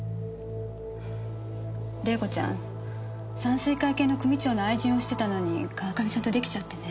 礼子ちゃん山水会系の組長の愛人をしてたのに川上さんとできちゃってね。